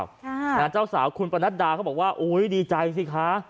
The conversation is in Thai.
ใช่นะเจ้าสาวคุณปนัดดาเขาบอกว่าโอ้ยดีใจสิคะ